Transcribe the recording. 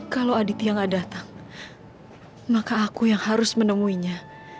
kalau aditya gak datang maka aku yang harus menemuinya